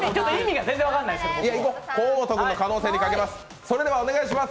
河本君の可能性にかけます。